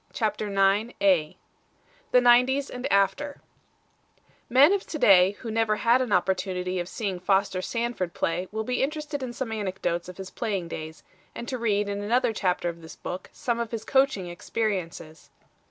] CHAPTER IX THE NINETIES AND AFTER Men of to day who never had an opportunity of seeing Foster Sanford play will be interested in some anecdotes of his playing days and to read in another chapter of this book some of his coaching experiences.